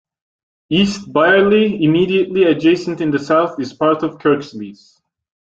East Bierley, immediately adjacent in the south, is part of Kirklees.